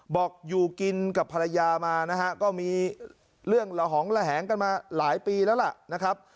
บอกอยู่กินกับภรรยามานะฮะก็มีเรื่องละหองระแหงกันมาหลายปีแล้วล่ะนะครับ